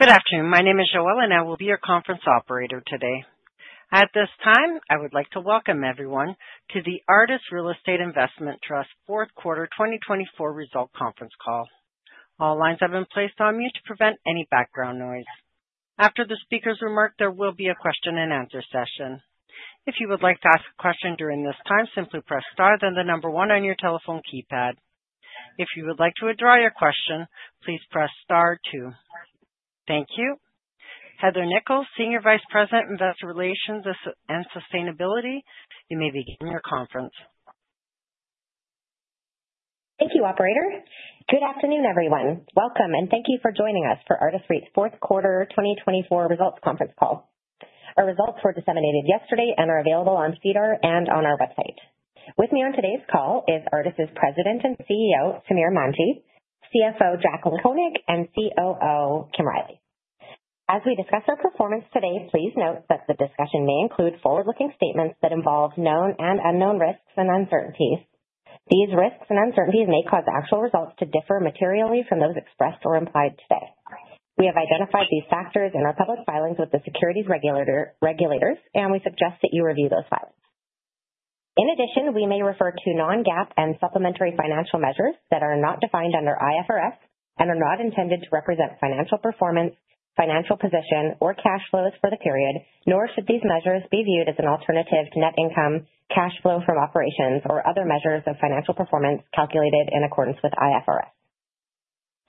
Good afternoon. My name is Joelle, and I will be your conference operator today. At this time, I would like to welcome everyone to the Artis Real Estate Investment Trust fourth quarter 2024 result conference call. All lines have been placed on mute to prevent any background noise. After the speakers' remarks, there will be a question-and-answer session. If you would like to ask a question during this time, simply press star then the number one on your telephone keypad. If you would like to withdraw your question, please press star two. Thank you. Heather Nikkel, Senior Vice President, Investor Relations and Sustainability. You may begin your conference. Thank you, Operator. Good afternoon, everyone. Welcome, and thank you for joining us for Artis's fourth quarter 2024 results conference call. Our results were disseminated yesterday and are available on SEDAR and on our website. With me on today's call is Artis's President and CEO, Samir Manji, CFO, Jaclyn Koenig, and COO, Kim Riley. As we discuss our performance today, please note that the discussion may include forward-looking statements that involve known and unknown risks and uncertainties. These risks and uncertainties may cause actual results to differ materially from those expressed or implied today. We have identified these factors in our public filings with the securities regulators, and we suggest that you review those filings. In addition, we may refer to non-GAAP and supplementary financial measures that are not defined under IFRS and are not intended to represent financial performance, financial position, or cash flows for the period, nor should these measures be viewed as an alternative to net income, cash flow from operations, or other measures of financial performance calculated in accordance with IFRS.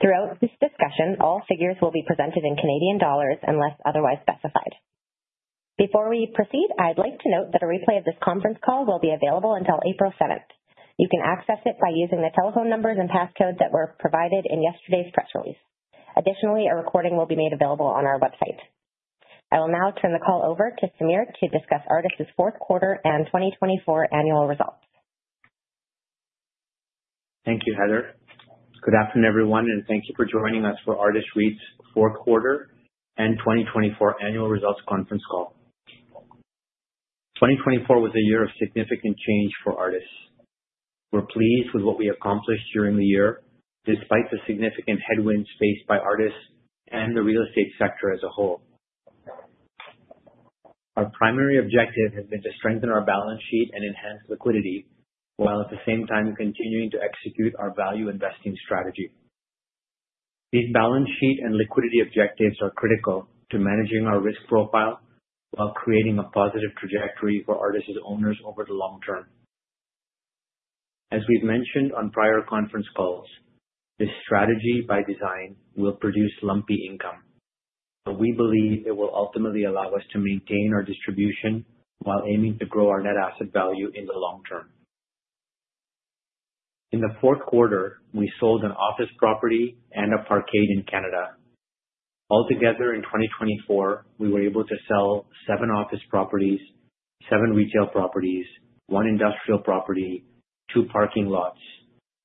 Throughout this discussion, all figures will be presented in CAD unless otherwise specified. Before we proceed, I'd like to note that a replay of this conference call will be available until April 7th. You can access it by using the telephone numbers and passcodes that were provided in yesterday's press release. Additionally, a recording will be made available on our website. I will now turn the call over to Samir to discuss Artis's fourth quarter and 2024 annual results. Thank you, Heather. Good afternoon, everyone, and thank you for joining us for Artis' fourth quarter and 2024 annual results conference call. 2024 was a year of significant change for Artis. We're pleased with what we accomplished during the year, despite the significant headwinds faced by Artis and the real estate sector as a whole. Our primary objective has been to strengthen our balance sheet and enhance liquidity, while at the same time continuing to execute our value investing strategy. These balance sheet and liquidity objectives are critical to managing our risk profile while creating a positive trajectory for Artis' owners over the long term. As we've mentioned on prior conference calls, this strategy, by design, will produce lumpy income, but we believe it will ultimately allow us to maintain our distribution while aiming to grow our net asset value in the long term. In the fourth quarter, we sold an office property and a parkade in Canada. Altogether, in 2024, we were able to sell seven office properties, seven retail properties, one industrial property, two parking lots,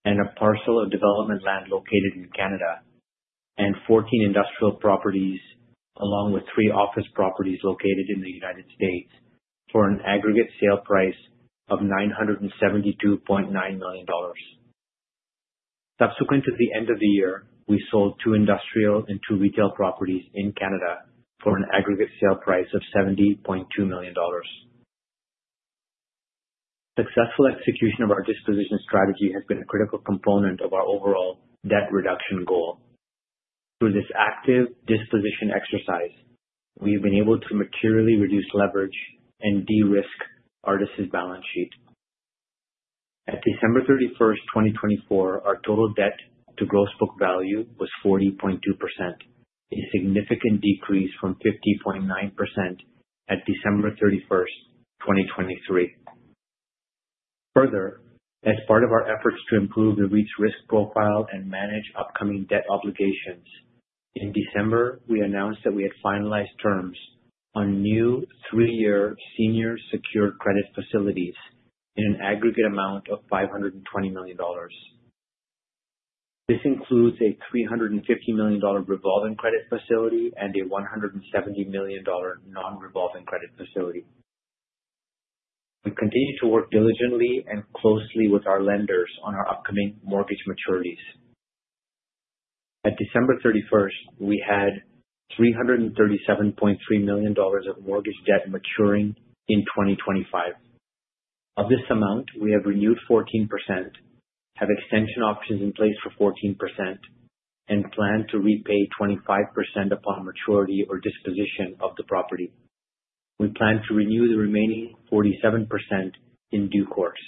and a parcel of development land located in Canada, and 14 industrial properties, along with three office properties located in the United States, for an aggregate sale price of 972.9 million dollars. Subsequent to the end of the year, we sold two industrial and two retail properties in Canada for an aggregate sale price of 70.2 million dollars. Successful execution of our disposition strategy has been a critical component of our overall debt reduction goal. Through this active disposition exercise, we've been able to materially reduce leverage and de-risk Artis' balance sheet. At December 31st, 2024, our total debt to gross book value was 40.2%, a significant decrease from 50.9% at December 31st, 2023. Further, as part of our efforts to improve the REIT's risk profile and manage upcoming debt obligations, in December, we announced that we had finalized terms on new three-year senior secured credit facilities in an aggregate amount of 520 million dollars. This includes a 350 million dollar revolving credit facility and a 170 million dollar non-revolving credit facility. We continue to work diligently and closely with our lenders on our upcoming mortgage maturities. At December 31st, we had 337.3 million dollars of mortgage debt maturing in 2025. Of this amount, we have renewed 14%, have extension options in place for 14%, and plan to repay 25% upon maturity or disposition of the property. We plan to renew the remaining 47% in due course.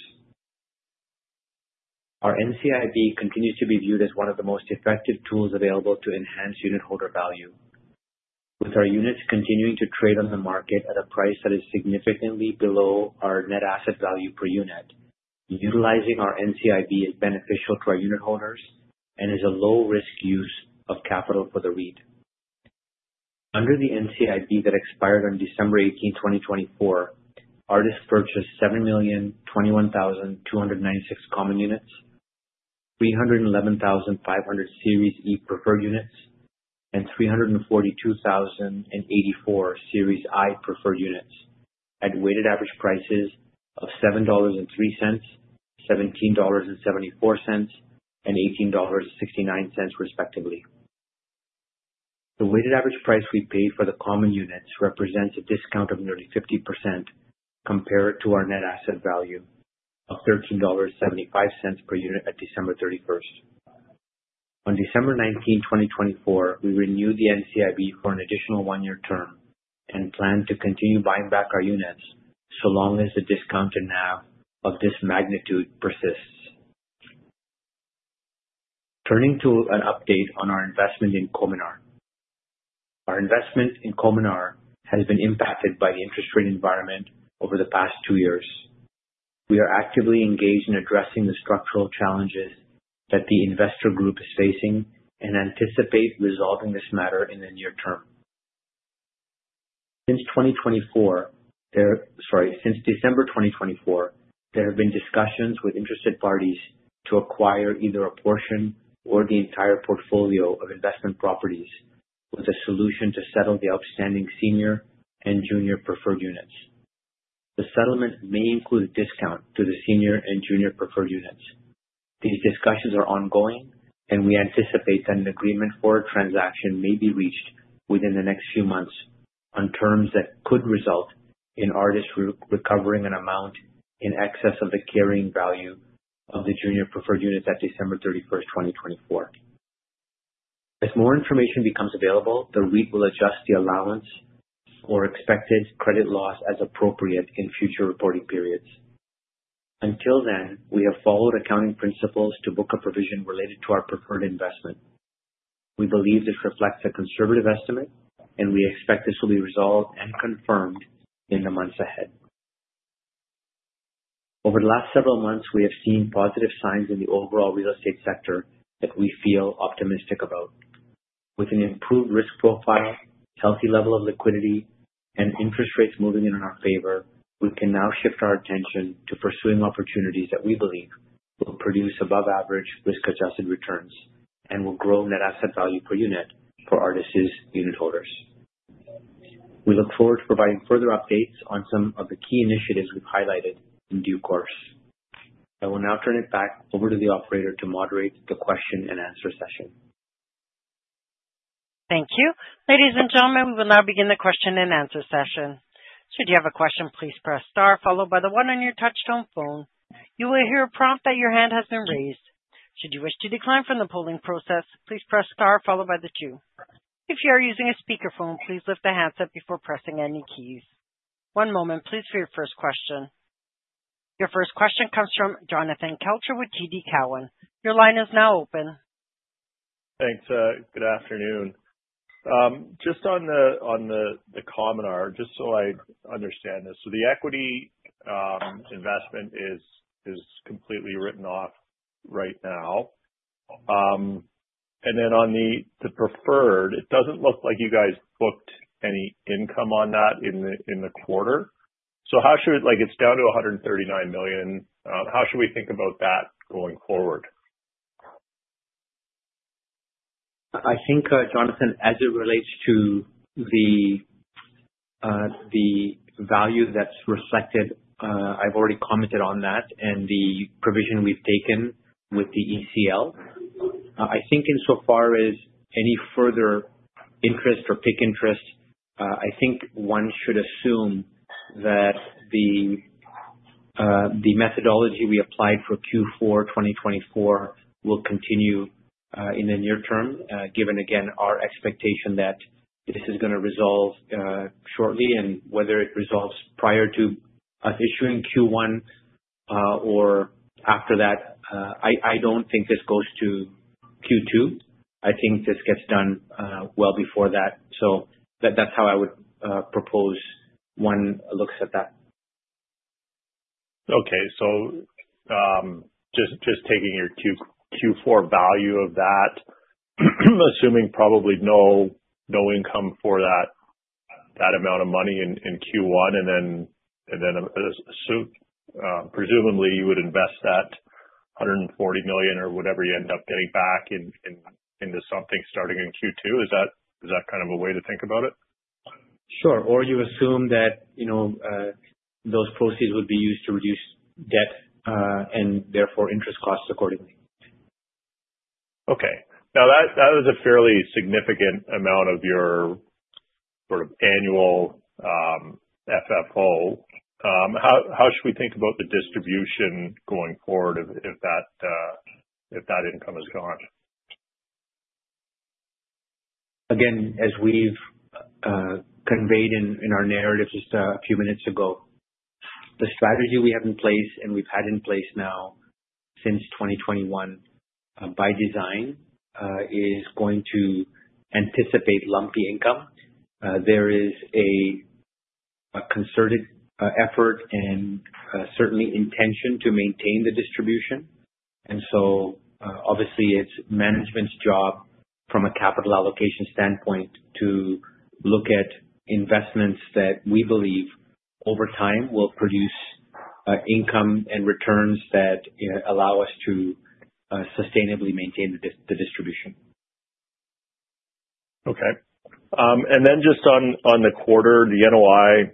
Our NCIB continues to be viewed as one of the most effective tools available to enhance unitholder value. With our units continuing to trade on the market at a price that is significantly below our net asset value per unit, utilizing our NCIB is beneficial to our unitholders and is a low-risk use of capital for the REIT. Under the NCIB that expired on December 18th, 2024, Artis purchased 7,021,296 common units, 311,500 Series E preferred units, and 342,084 Series I preferred units at weighted average prices of 7.03 dollars, CAD 17.74, and 18.69 dollars, respectively. The weighted average price we paid for the common units represents a discount of nearly 50% compared to our net asset value of 13.75 dollars per unit at December 31st. On December 19, 2024, we renewed the NCIB for an additional one-year term and plan to continue buying back our units so long as the discounted NAV of this magnitude persists. Turning to an update on our investment in Cominar. Our investment in Cominar has been impacted by the interest rate environment over the past two years. We are actively engaged in addressing the structural challenges that the investor group is facing and anticipate resolving this matter in the near term. Since December 2024, there have been discussions with interested parties to acquire either a portion or the entire portfolio of investment properties with a solution to settle the outstanding senior and junior preferred units. The settlement may include a discount to the senior and junior preferred units. These discussions are ongoing, and we anticipate that an agreement for a transaction may be reached within the next few months on terms that could result in Artis recovering an amount in excess of the carrying value of the junior preferred units at December 31st, 2024. As more information becomes available, the REIT will adjust the allowance or expected credit loss as appropriate in future reporting periods. Until then, we have followed accounting principles to book a provision related to our preferred investment. We believe this reflects a conservative estimate, and we expect this will be resolved and confirmed in the months ahead. Over the last several months, we have seen positive signs in the overall real estate sector that we feel optimistic about. With an improved risk profile, healthy level of liquidity, and interest rates moving in our favor, we can now shift our attention to pursuing opportunities that we believe will produce above-average risk-adjusted returns and will grow net asset value per unit for Artis' unitholders. We look forward to providing further updates on some of the key initiatives we've highlighted in due course. I will now turn it back over to the Operator to moderate the question and answer session. Thank you. Ladies and gentlemen, we will now begin the question and answer session. Should you have a question, please press star, followed by the one on your touch-tone phone. You will hear a prompt that your hand has been raised. Should you wish to decline from the polling process, please press star, followed by the two. If you are using a speakerphone, please lift the handset before pressing any keys. One moment, please, for your first question. Your first question comes from Jonathan Kelcher with TD Cowen. Your line is now open. Thanks. Good afternoon. Just on the Cominar, just so I understand this, the equity investment is completely written off right now. On the preferred, it does not look like you guys booked any income on that in the quarter. How should—like, it is down to 139 million. How should we think about that going forward? I think, Jonathan, as it relates to the value that's reflected, I've already commented on that and the provision we've taken with the ECL. I think insofar as any further interest or PIK interest, I think one should assume that the methodology we applied for Q4 2024 will continue in the near term, given, again, our expectation that this is going to resolve shortly. Whether it resolves prior to us issuing Q1 or after that, I don't think this goes to Q2. I think this gets done well before that. That is how I would propose one looks at that. Okay. Just taking your Q4 value of that, assuming probably no income for that amount of money in Q1, and then presumably you would invest that 140 million or whatever you end up getting back into something starting in Q2. Is that kind of a way to think about it? Sure. You assume that those proceeds would be used to reduce debt and therefore interest costs accordingly. Okay. Now, that was a fairly significant amount of your sort of annual FFO. How should we think about the distribution going forward if that income is gone? Again, as we've conveyed in our narrative just a few minutes ago, the strategy we have in place and we've had in place now since 2021, by design, is going to anticipate lumpy income. There is a concerted effort and certainly intention to maintain the distribution. Obviously, it's management's job from a capital allocation standpoint to look at investments that we believe over time will produce income and returns that allow us to sustainably maintain the distribution. Okay. Just on the quarter, the NOI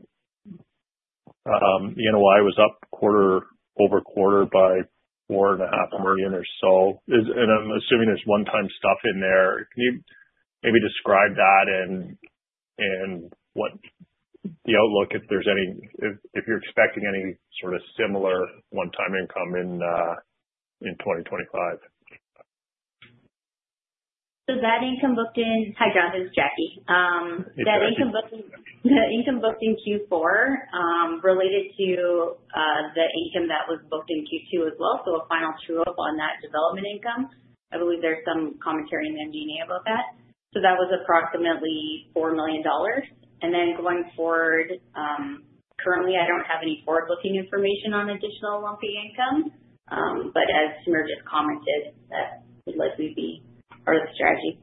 was up quarter-over-quarter by 4.5 million or so. I'm assuming there's one-time stuff in there. Can you maybe describe that and what the outlook is, if there's any—if you're expecting any sort of similar one-time income in 2025? That income booked in—hi, Jonathan, this is Jaclyn. Yes, ma'am. That income booked in Q4 related to the income that was booked in Q2 as well, so a final true-up on that development income. I believe there is some commentary in MD&A about that. That was approximately 4 million dollars. Going forward, currently, I do not have any forward-looking information on additional lumpy income, but as Samir just commented, that would likely be our strategy.